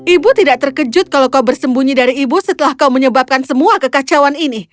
ibu tidak terkejut kalau kau bersembunyi dari ibu setelah kau menyebabkan semua kekacauan ini